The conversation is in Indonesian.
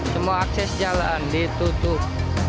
semua akses jalan ditutup